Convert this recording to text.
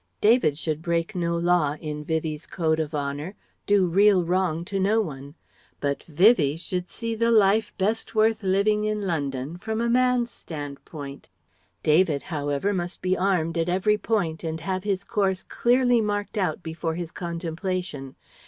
David should break no law in Vivie's code of honour, do real wrong to no one; but Vivie should see the life best worth living in London from a man's standpoint. David however must be armed at every point and have his course clearly marked out before his contemplation.